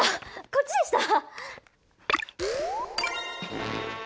こっちでした。